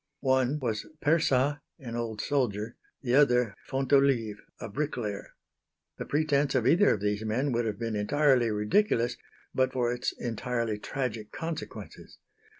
One was Persat, an old soldier; the other, Fontolive, a bricklayer. The pretence of either of these men would have been entirely ridiculous but for its entirely tragic consequences.